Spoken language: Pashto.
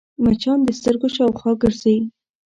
مچان د سترګو شاوخوا ګرځي